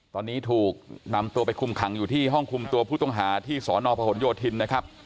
ตอนนี้ถูกนำตัวไปคุมขังอยู่ที่ห้องคุมตัวผู้ต้องหาที่สนพหนโยธินนะครับ